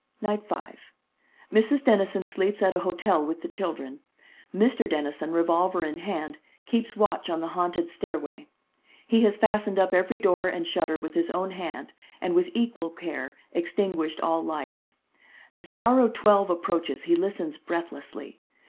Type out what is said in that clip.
Night 5: Mrs. Dennison sleeps at a hotel with the children. Mr. Dennison, revolver in hand, keeps watch on the haunted stairway. He has fastened up every door and shutter with his own hand, and with equal care extinguished all lights. As the hour of twelve approaches, he listens breathlessly.